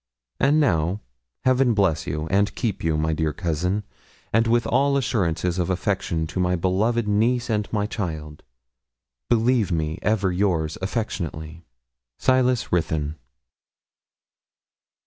'And now, Heaven bless and keep you, my dear cousin; and with all assurances of affection to my beloved niece and my child, believe me ever yours affectionately. 'SILAS RUTHYN.'